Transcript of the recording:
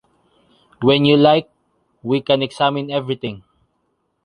When you like, we can examine everything.